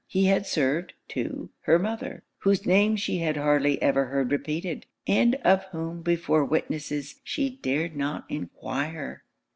He had served, too, her mother; whose name she had hardly ever heard repeated, and of whom, before witnesses, she dared not enquire.